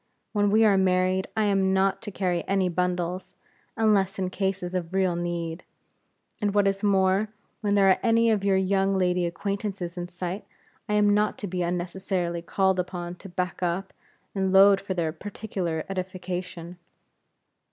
When we are married, I am not to carry any bundles, unless in cases of real need; and what is more, when there are any of your young lady acquaintances in sight, I am not to be unnecessarily called upon to back up, and load for their particular edification."